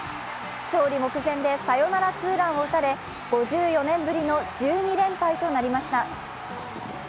勝利目前でサヨナラツーランを打たれ５４年ぶりの１２連敗となりました。